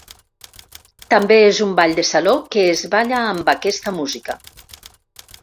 També és un ball de saló que es balla amb aquesta música.